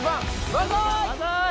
万歳！